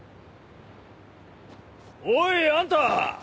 ・おいあんた。